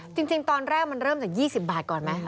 จริงตอนแรกมันเริ่มจาก๒๐บาทก่อนไหม